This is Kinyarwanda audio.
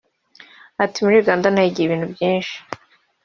Ati “Muri Uganda nahigiye ibintu byinshi